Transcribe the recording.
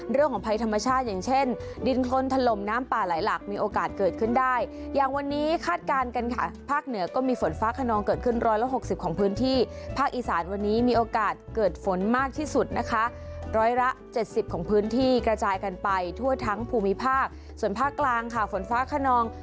เรื่องของภัยธรรมชาติอย่างเช่นดินคนถล่มน้ำป่าไหลหลักมีโอกาสเกิดขึ้นได้อย่างวันนี้คาดการณ์กันค่ะภาคเหนือก็มีฝนฟ้าขนองเกิดขึ้นร้อยละหกสิบของพื้นที่ภาคอีสานวันนี้มีโอกาสเกิดฝนมากที่สุดนะคะร้อยละเจ็ดสิบของพื้นที่กระจายกันไปทั่วทั้งภูมิภาคส่วนภาคกลางค่ะฝนฟ้าขนอง